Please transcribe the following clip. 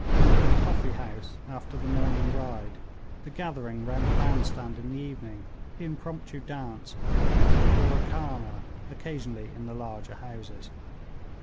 There were the 'coffee house' after the morning ride, the gathering round the bandstand in the evening, the impromptu dance, and the burra khana occasionally in the larger houses.